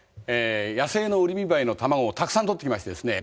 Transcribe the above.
野生のウリミバエの卵をたくさんとってきましてですね